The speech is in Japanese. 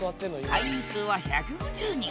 会員数は１５０人。